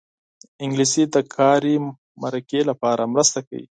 انګلیسي د کاري مرکې لپاره مرسته کوي